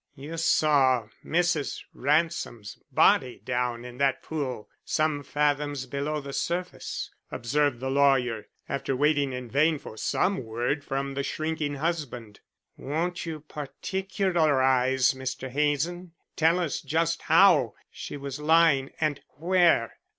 "You saw Mrs. Ransom's body down in that pool some fathoms below the surface," observed the lawyer, after waiting in vain for some word from the shrinking husband. "Won't you particularize, Mr. Hazen? Tell us just how she was lying and where.